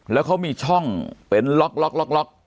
แล้วเขามีช่องเป็นล็อก